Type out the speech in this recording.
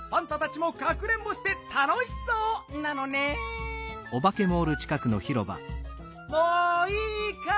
もういいかい？